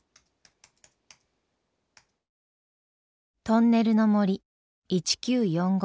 「トンネルの森１９４５」。